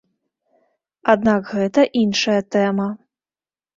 Аднак гэта іншая тэма.